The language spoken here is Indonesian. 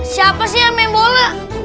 siapa sih yang main bola